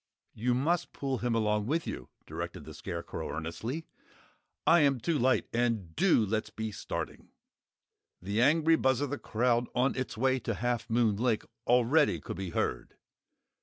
"You must pull him along with you," directed the Scarecrow, earnestly. "I am too light. And DO let's be starting!" The angry buzz of the crowd on its way to Half Moon Lake, already could be heard.